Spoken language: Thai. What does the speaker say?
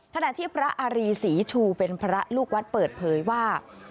ขณะที่พระอารีศรีชูเป็นพระลูกวัดเปิดเผยว่า